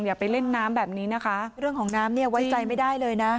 อย่าไปเล่นน้ำแบบนี้นะคะเรื่องของน้ำเนี่ยไว้ใจไม่ได้เลยนะ